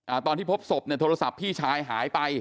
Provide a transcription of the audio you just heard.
ตอนที่พบศพเนี่ยโทรศัพท์พี่ชายหายไป